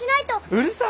うるさい！